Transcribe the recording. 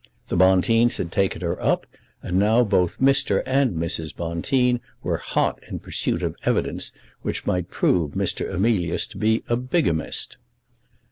The Bonteens had taken her up, and now both Mr. and Mrs. Bonteen were hot in pursuit of evidence which might prove Mr. Emilius to be a bigamist.